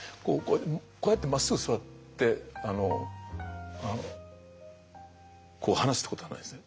こうやってまっすぐ座ってこう話すってことはないですね。